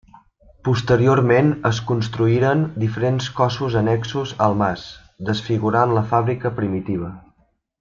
Posteriorment es construïren diferents cossos annexos al mas, desfigurant la fàbrica primitiva.